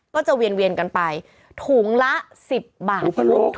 ก็จะเวียนกันไปถุงละ๑๐บาท